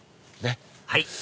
はい！